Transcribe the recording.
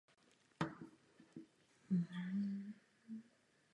Tyto zážitky ho ovlivnily na celý život.